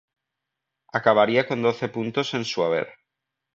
Acabaría con doce puntos en su haber.